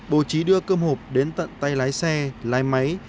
bố trí đưa cơm hộp đến tận tay lái xe lái máy